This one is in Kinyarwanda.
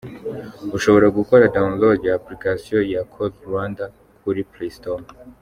Ushobora gukora Download ya Application ya ya Call Rwanda kuri Playstore.